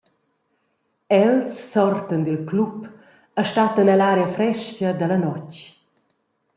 Els sortan dil club e stattan ell’aria frestga dalla notg.